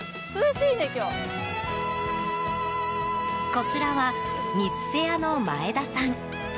こちらは、光勢屋の前田さん。